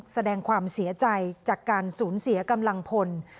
แสดงความเสียใจจากการสูญเสียกำลังพล